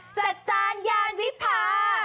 จัดจานยานวิพา